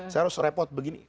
saya harus repot begini